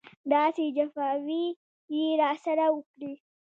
داسې جفاوې یې راسره وکړې.